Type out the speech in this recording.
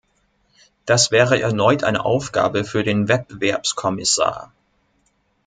Das wäre erneut eine Aufgabe für den Wettbewerbskommissar.